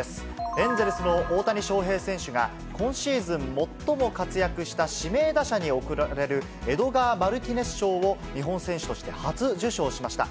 エンゼルスの大谷翔平選手が、今シーズン最も活躍した指名打者に贈られる、エドガー・マルティネス賞を日本選手として初受賞しました。